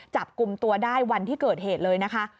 จับกลุ่มตัวได้วันที่เกิดเหตุเลยนะคะ